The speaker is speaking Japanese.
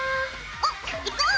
おっ行こう！